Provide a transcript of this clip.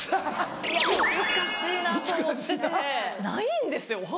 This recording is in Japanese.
ないんですよ